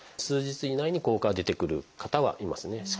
数日以内に効果が出てくる方はいますね。